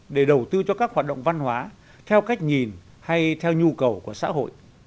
để đầu tư cho các hoạt động văn hóa theo cách nhìn hay theo nhu cầu của xã hội